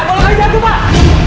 bolak balik jatuh pak